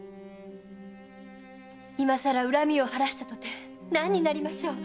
今さら恨みを晴らしたとて何になりましょう。